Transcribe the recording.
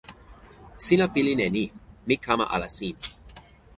sina pilin e ni: mi kama ala sin.